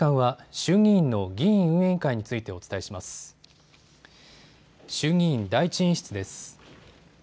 衆議院第１委員室です。